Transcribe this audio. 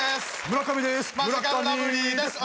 村上です